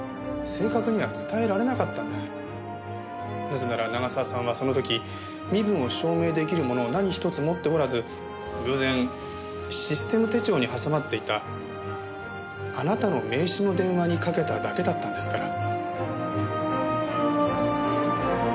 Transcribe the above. なぜなら長澤さんはその時身分を証明出来るものを何ひとつ持っておらず偶然システム手帳に挟まっていたあなたの名刺の電話にかけただけだったんですから。